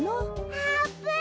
あーぷん！